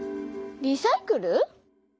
リサイクル？